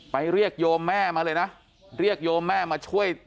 ไปเรียกโยมแม่มาเลยนะเรียกโยมแม่มาช่วย